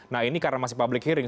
nah ini karena masih public hearing